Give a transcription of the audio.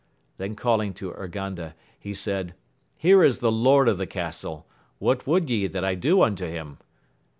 Then calling to Urganda, he said. Here is the lord of the castle, what would ye that I do unto him